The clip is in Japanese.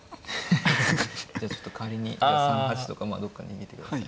じゃあちょっと仮に３八とかまあどっか逃げてください。